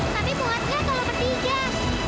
tapi puas gak kalo ketiga